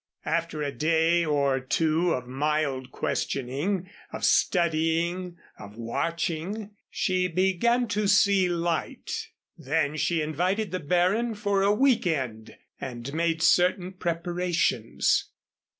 After a day or two of mild questioning, of studying, of watching, she began to see light. Then she invited the Baron for a week end, and made certain preparations.